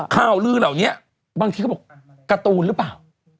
ข่าวลือเหล่านี้บางทีเขาบอกการ์ตูนหรือเปล่า